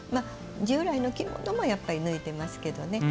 従来の着物も抜いてますけどね。